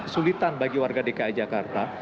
sulitan bagi warga dki jakarta